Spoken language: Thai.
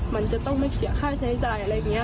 มันจะต้องไม่เสียค่าใช้จ่ายอะไรอย่างนี้